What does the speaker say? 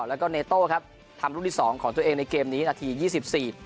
แล้วก็เนโต้ครับทำลูกที่สองของตัวเองในเกมนี้นาทียี่สิบสี่